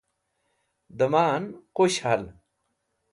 damaan qush hal